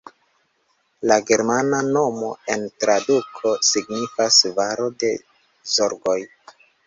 La germana nomo en traduko signifas valo de zorgoj.